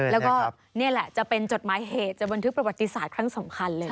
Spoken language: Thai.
แล้วก็นี่แหละจะเป็นจดหมายเหตุจะบันทึกประวัติศาสตร์ครั้งสำคัญเลย